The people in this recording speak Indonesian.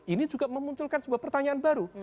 ini juga memunculkan sebuah pertanyaan baru